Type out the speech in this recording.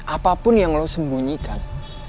apapun yang lo sembunyikan